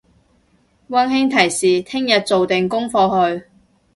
溫馨提示聽日做定功課去！